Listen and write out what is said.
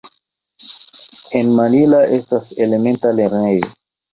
En Mannila estas elementa lernejo.